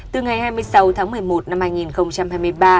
từ ngày hai mươi sáu tháng một mươi một năm hai nghìn hai mươi ba